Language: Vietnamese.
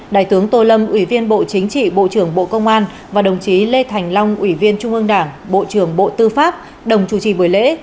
đại tướng tô lâm ủy viên bộ chính trị bộ trưởng bộ công an và đồng chí lê thành long ủy viên trung ương đảng bộ trưởng bộ tư pháp đồng chủ trì buổi lễ